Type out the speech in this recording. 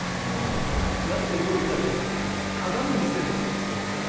やってることってだって鏡見せるところなんですよ。